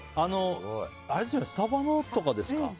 スタバのとかですかね？